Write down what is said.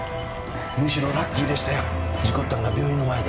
むしろラッキーでしたよ事故ったのが病院の前で。